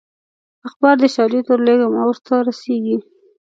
اخبار دې شاجوي ته ورولېږم او ورته رسېږي.